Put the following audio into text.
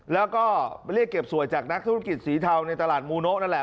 แล้วก็เรียกเก็บสวยจากนักธุรกิจสีเทาในตลาดมูโนะนั่นแหละ